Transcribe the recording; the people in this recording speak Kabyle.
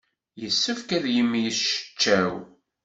Yessefk ad yemmecčaw.